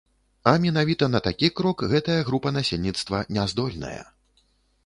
А менавіта на такі крок гэтая група насельніцтва не здольная.